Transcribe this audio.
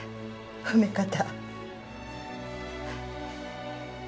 褒め方。